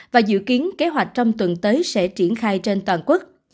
và dự kiến kế hoạch trong tuần tới sẽ triển khai trên toàn quốc